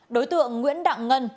đối tượng nguyễn đặng ngân